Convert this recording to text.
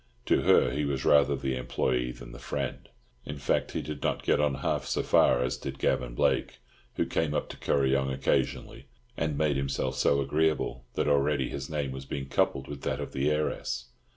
To her he was rather the employee than the friend. In fact he did not get on half so far as did Gavan Blake, who came up to Kuryong occasionally, and made himself so agreeable that already his name was being coupled with that of the heiress.